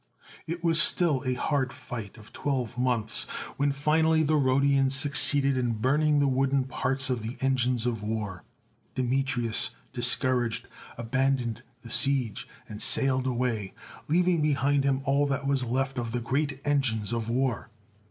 It was still a hard fight of twelve months, when finally the Rhodians succeeded in burning the wooden parts of the engines of war. Deme trius, discouraged, abandoned the siege, and sailed away, leaving behind him all that was left of the great engines of war.